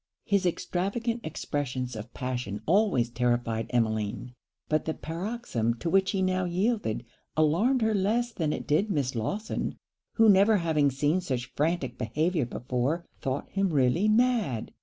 His extravagant expressions of passion always terrified Emmeline; but the paroxysm to which he now yielded, alarmed her less than it did Miss Lawson, who never having seen such frantic behaviour before, thought him really mad.